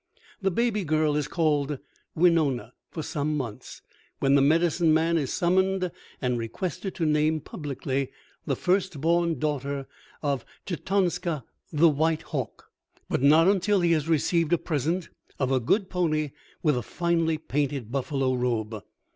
The baby girl is called Winona for some months, when the medicine man is summoned and requested to name publicly the first born daughter of Chetonska, the White Hawk; but not until he has received a present of a good pony with a finely painted buffalo robe.